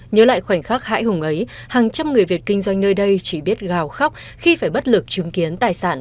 nhớ lại khoảnh khắc hãi hùng ấy hàng trăm người việt kinh doanh nơi đây chỉ biết gào khóc khi phải bất lực chứng kiến tài sản